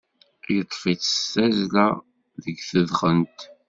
Yeṭṭef-itt s tazzla deg tedxent.